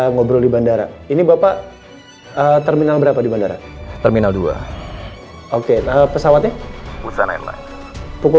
ngobrol di bandara ini bapak terminal berapa di bandara terminal dua oke pesawatnya pukul